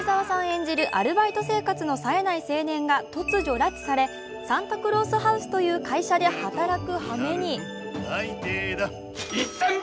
演じるアルバイト生活の冴えない青年が突如拉致されサンタクロースハウスという会社で働くはめに。